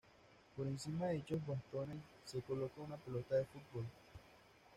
Por encima de dichos bastones, se coloca una pelota de fútbol.